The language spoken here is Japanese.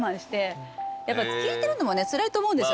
やっぱり聞いてるのもねつらいと思うんですよ